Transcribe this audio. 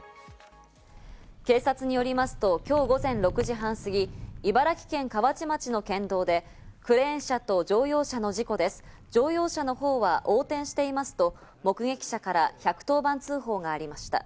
警察によりますときょう午前６時半過ぎ、茨城県河内町の県道でクレーン車と乗用車の事故です、乗用車のほうは横転していますと目撃者から１１０番通報がありました。